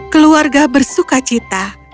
keluarga bersuka cita